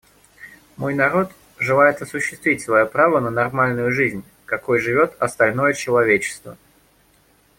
Мой народ желает осуществить свое право на нормальную жизнь, какой живет остальное человечество.